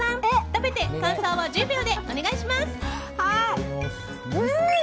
食べて感想を１０秒でお願いします。